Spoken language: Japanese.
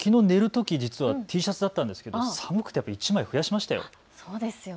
きのう寝るとき、実はＴシャツだったんですけど寒くて１枚増やしましたよ。